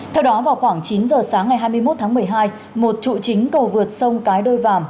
theo đó vào khoảng chín giờ sáng ngày hai mươi một tháng một mươi hai một trụ chính cầu vượt sông cái đôi vàm